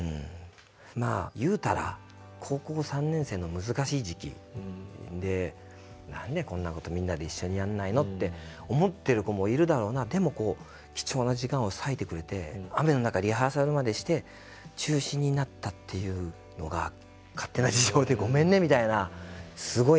まあ言うたら高校３年生の難しい時期何でこんなことみんな一緒にやんないの？って思ってる子もいるだろうなでもこう貴重な時間を割いてくれて雨の中リハーサルまでして中止になったっていうのが勝手な事情でごめんねみたいなすごい悔しかったんですよね